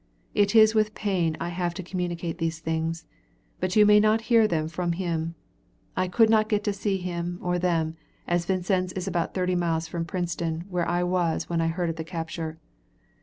It is with pain I have to communicate these things. But you may not hear them from him. I could not get to see him or them, as Vincennes is about thirty miles from Princeton, where I was when I heard of the capture.